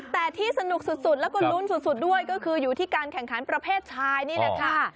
แต่ที่สนุกสุดแล้วก็ลุ้นสุดด้วยก็คืออยู่ที่การแข่งขันประเภทชายนี่แหละค่ะ